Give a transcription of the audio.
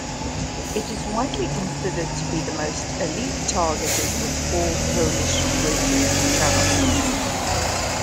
It is widely considered to be the most elite-targeted of all Polish radio channels.